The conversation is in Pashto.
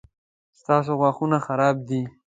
ستاسو غاښونه خراب دي